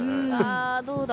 あどうだ？